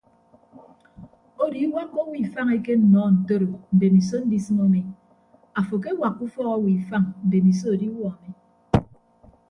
Odo iwakka owo ifañ ekennọọ ntodo mbemiso ndisịm umi afo akewakka ufọk owo ifañ mbemiso adiwuọ umi.